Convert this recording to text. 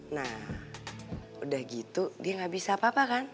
nah udah gitu dia nggak bisa apa apa kan